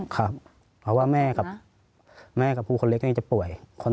เพราะว่าแม่กับผู้เล็กนี้จะป่วย